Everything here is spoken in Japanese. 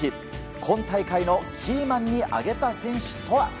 今大会のキーマンに挙げた選手とは？